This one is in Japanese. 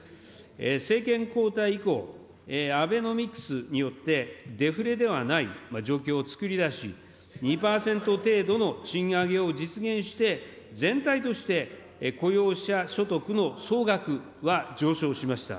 政権交代以降、アベノミクスによってデフレではない状況を作り出し、２％程度の賃上げを実現して、全体として雇用者所得の総額は上昇しました。